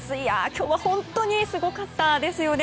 今日は本当にすごかったですよね。